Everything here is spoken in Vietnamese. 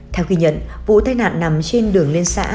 theo ghi nhận vụ thai nạn nằm trên đường lên xã